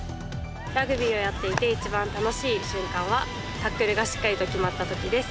ラグビーをやっていて一番楽しい瞬間はタックルがしっかりと決まった時です。